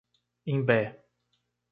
Imbé